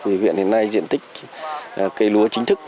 vì hiện nay diện tích cây lúa chính thức